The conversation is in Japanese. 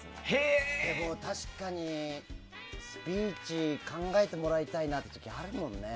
確かに、スピーチ考えてもらいたいなって時あるもんね。